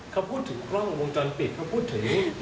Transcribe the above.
เขาพูดถึงกล้องวงจรปิดเขาพูดถึง